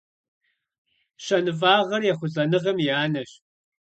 Щэныфӏагъэр ехъулӏэныгъэм и анэщ.